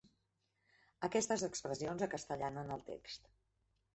Aquestes expressions acastellanen el text.